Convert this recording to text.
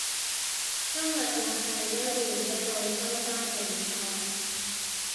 今日又係一年一度收花競賽